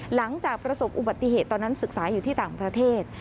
หลังจากประสบอุบัติเหตุตอนนั้นศึกษาอยู่ที่ต่างประเทศ